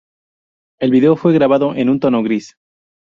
El vídeo fue grabado en un tono gris.